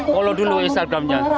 follow dulu instagramnya